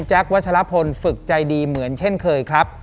วัชลพลฝึกใจดีเหมือนเช่นเคยครับ